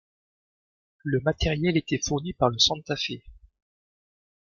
Le matériel était fourni par le Santa Fe.